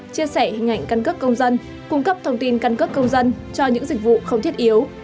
chia sẻ hình ảnh căn cước công dân cung cấp thông tin căn cước công dân cho những dịch vụ không thiết yếu